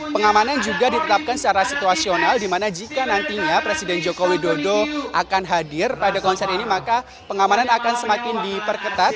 pengamanan juga ditetapkan secara situasional di mana jika nantinya presiden joko widodo akan hadir pada konser ini maka pengamanan akan semakin diperketat